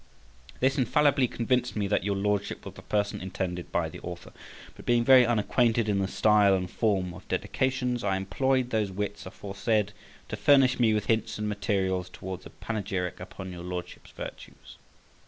This infallibly convinced me that your Lordship was the person intended by the Author. But being very unacquainted in the style and form of dedications, I employed those wits aforesaid to furnish me with hints and materials towards a panegyric upon your Lordship's virtues.